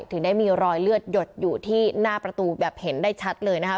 ถึงได้มีรอยเลือดหยดอยู่ที่หน้าประตูแบบเห็นได้ชัดเลยนะคะ